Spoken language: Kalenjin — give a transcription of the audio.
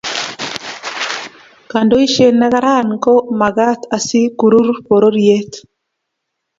kandoishet ne Karan ko magat Asi kurur pororiet